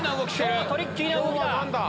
今日はトリッキーな動きだ。